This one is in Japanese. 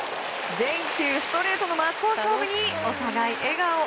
全球ストレートの真っ向勝負にお互い笑顔。